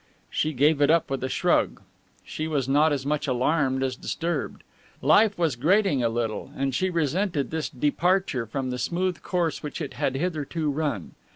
She gave it up with a shrug. She was not as much alarmed as disturbed. Life was grating a little, and she resented this departure from the smooth course which it had hitherto run.